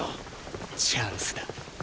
チャンスだ。